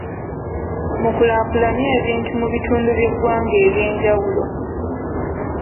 Mukulaakulanye ebintu mu bitundu by'eggwanga eby'enjawulo.